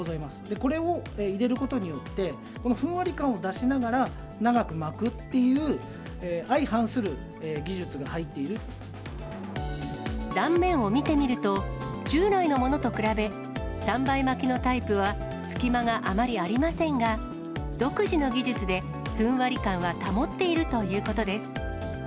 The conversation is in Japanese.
これを入れることによって、ふんわり感を出しながら、長く巻くっていう、相反する技術が入っ断面を見てみると、従来のものと比べ、３倍巻きのタイプは隙間があまりありませんが、独自の技術でふんわり感は保っているということです。